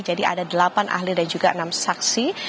jadi ada delapan ahli dan juga enam saksi